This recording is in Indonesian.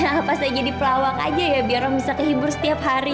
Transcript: apa saya jadi pelawak aja ya biar om bisa kehibur setiap hari